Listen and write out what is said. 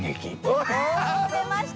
お出ました！